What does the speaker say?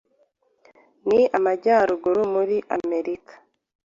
ni Amajyaruguru muri Amerika